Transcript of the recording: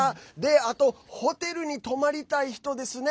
あとホテルに泊まりたい人ですね。